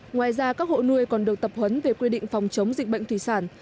ngoài ra các hộ nuôi còn được tập huấn về quy định phòng chống dịch bệnh thủy sản